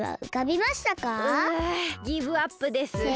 うギブアップです！